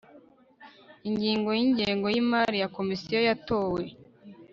ingingo y' ingengo y' imari ya komisiyo yatowe